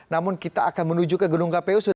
namun kita akan menuju ke gedung kpu